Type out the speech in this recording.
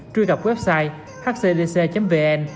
truy cập website hclc vn